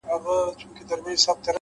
پوه انسان د پوښتنو قدر کوي’